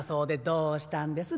「どうしたんです？